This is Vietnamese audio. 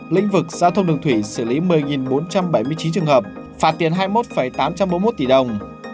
lĩnh vực giao thông đường thủy xử lý một mươi bốn trăm bảy mươi chín trường hợp phạt tiền hai mươi một tám trăm bốn mươi một tỷ đồng